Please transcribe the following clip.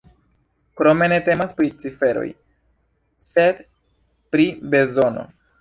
Krome ne temas pri ciferoj, sed pri bezono.